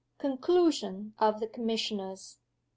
Conclusion of the Commissioners.